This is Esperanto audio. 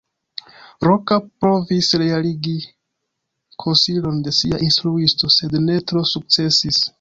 Roka provis realigi konsilon de sia instruisto, sed ne tro sukcesis.